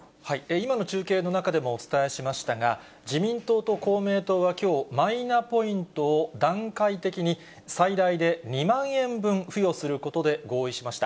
今の中継の中でもお伝えしましたが、自民党と公明党はきょう、マイナポイントを段階的に、最大で２万円分、付与することで合意しました。